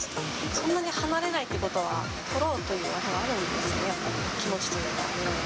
そんなに離れないってことは、とろうというあれはあるんですかね、気持ちというか。